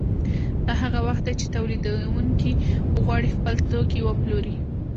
دا هغه وخت دی چې تولیدونکي وغواړي خپل توکي وپلوري